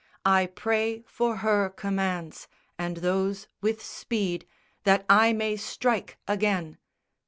I pray for her commands, and those with speed, That I may strike again."